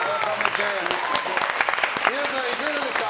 皆さんいかがでした？